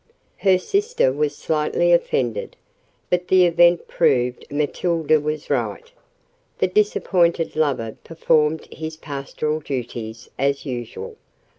Her sister was slightly offended; but the event proved Matilda was right: the disappointed lover performed his pastoral duties as usual.